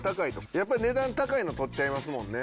やっぱり値段高いの取っちゃいますもんね